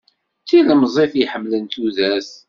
D tilemẓit iḥemmlen tudert.